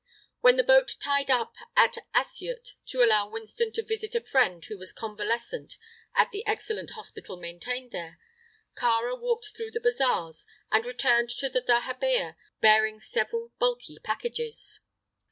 When the boat tied up at Assyut to allow Winston to visit a friend who was convalescent at the excellent hospital maintained there, Kāra walked through the bazaars, and returned to the dahabeah bearing several bulky packages.